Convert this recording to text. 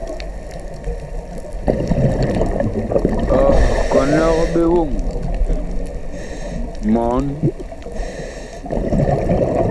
Ɔ kɔnɔg ɓe woŋ mɔɔn.